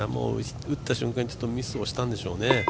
打った瞬間にミスをしたんでしょうね。